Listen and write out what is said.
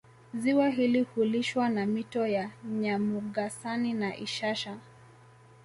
Ziwa hili hulishwa na mito ya Nyamugasani na Ishasha